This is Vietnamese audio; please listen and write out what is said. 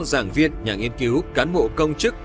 giảng viên nhà nghiên cứu cán bộ công chức